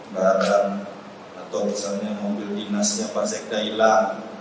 barang barang atau misalnya mobil dinasnya pak sekda hilang